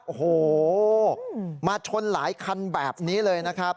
โอ้โหมาชนหลายคันแบบนี้เลยนะครับ